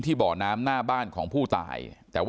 บ่อน้ำหน้าบ้านของผู้ตาย